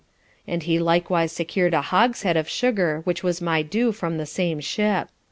And he likewise secur'd a hogshead of sugar which was my due from the same ship.